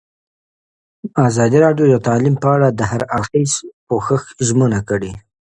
ازادي راډیو د تعلیم په اړه د هر اړخیز پوښښ ژمنه کړې.